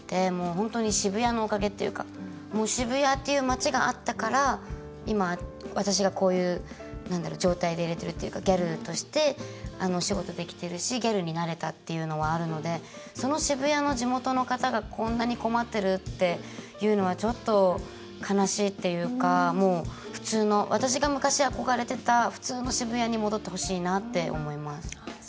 本当に渋谷のおかげっていうか渋谷っていう街があったから今、私が、こういう状態でいれてるっていうかギャルとして仕事できているしギャルになれたっていうのがあるので、その渋谷の方がこんなに困っているのはちょっと悲しいというか、もう普通の私が昔、憧れていた普通の渋谷に戻ってほしいなと思います。